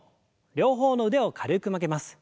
両方の腕を軽く曲げます。